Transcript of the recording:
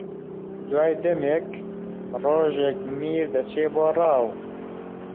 دوای دەمێک ڕۆژێک میر دەچێ بۆ ڕاو